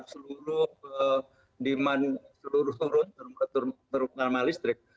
seluruh demand seluruh terutama listrik